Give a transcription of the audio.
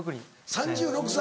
３６歳。